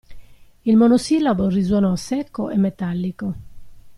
Il monosillabo risuonò secco e metallico.